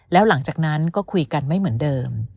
แล้วหลังจากนั้นก็คุยกันไม่เหมือนเดิม